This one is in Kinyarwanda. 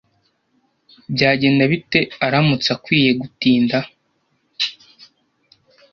Byagenda bite aramutse akwiye gutinda?